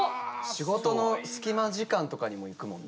仕事の隙間時間とかにも行くもんね。